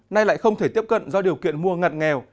nay lại không thể tiếp cận do điều kiện mua ngặt nghèo